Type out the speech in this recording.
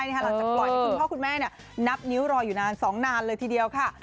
หลังจากปล่อยให้คุณพ่อคุณแม่นับนิ้วรออยู่นาน๒นานเลยทีเดียวค่ะ